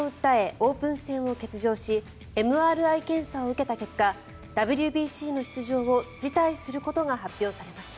オープン戦を欠場しＭＲＩ検査を受けた結果ＷＢＣの出場を辞退することが発表されました。